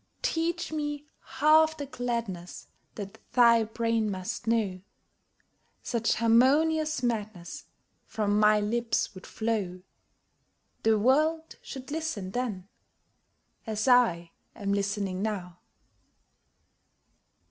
Teach me half the gladness That thy brain must know; Such harmonious madness From my lips would flow The world should listen then as I am listening now!